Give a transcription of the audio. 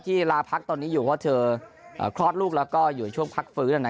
ลาพักตอนนี้อยู่เพราะเธอคลอดลูกแล้วก็อยู่ในช่วงพักฟื้น